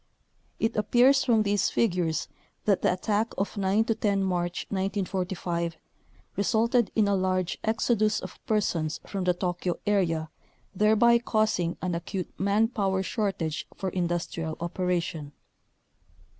It appears from these figures that the attack of 9 10 March 1945 resulted in a large exodus of persons from the Tokyo area thereby causing an acute man power shortage for in dustrial operation.